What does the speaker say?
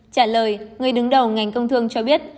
trả lời người đứng đầu ngành công thương cho biết